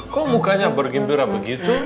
kok mukanya bergembira begitu